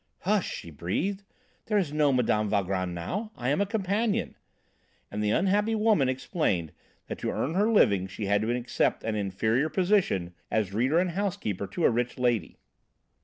"'Hush,' she breathed, 'there is no Mme. Valgrand now. I am a companion.' And the unhappy woman explained that to earn her living she had to accept an inferior position as reader and housekeeper to a rich lady."